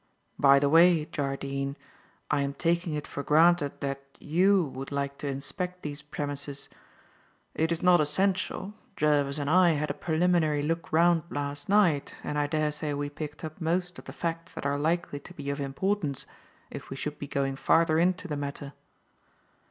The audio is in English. By the way, Jardine, I am taking it for granted that you would like to inspect these premises. It is not essential. Jervis and I had a preliminary look round last night, and I daresay we picked up most of the facts that are likely to be of importance if we should be going farther into the matter."